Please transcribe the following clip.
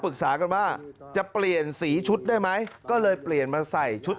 ปรึกษากันว่าจะเปลี่ยนสีชุดได้ไหมก็เลยเปลี่ยนมาใส่ชุด